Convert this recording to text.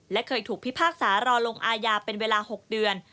และเคยถูกพิพากษารอลงอาญาเป็นเวลา๖เดือน